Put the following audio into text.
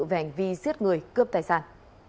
về hành vi giết người cướp tài sản